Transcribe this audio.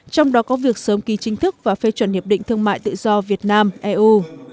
trong đó có việc sớm ký chính thức và phê chuẩn hiệp định thương mại tự do việt nam eu